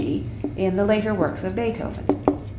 g._, in the later works of Beethoven.